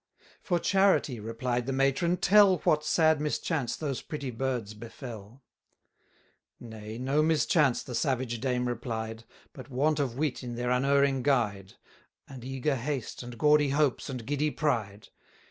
For charity, replied the matron, tell 420 What sad mischance those pretty birds befell. Nay, no mischance, the savage dame replied, But want of wit in their unerring guide, And eager haste, and gaudy hopes, and giddy pride.